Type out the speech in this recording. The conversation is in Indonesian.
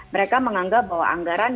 mereka menganggap bahwa anggaran